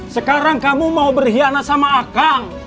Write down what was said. sekarang kamu mau berkhianat sama akang